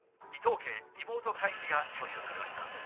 伊藤家リモート会議が招集されました。